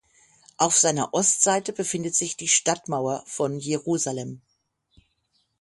Auf seiner Ostseite befindet sich die Stadtmauer von Jerusalem.